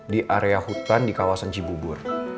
di area hutan di kawasan cibubur